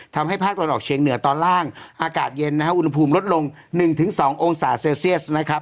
ทำให้ภาคตอนออกเชียงเหนือตอนล่างอากาศเย็นอุณหภูมิลดลง๑๒องศาเซลเซียสนะครับ